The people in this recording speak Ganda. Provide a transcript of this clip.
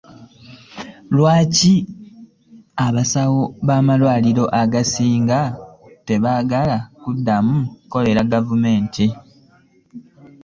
Lwaki abasawo b'amalwaliro agasinga tebagala kudamu kukolera gavumenti?